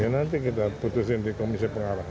nanti kita putusin di komisi pengawas